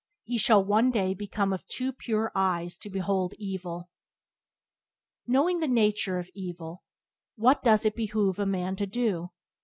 He shall one day become of "too pure eyes to behold evil." Knowing the nature of evil, what does it behove a man to do?